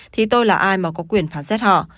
thì tôi là ai mà có quyền phán xét họ